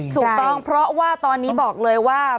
ถูกต้องเพราะว่าตอนนี้บอกเลยว่า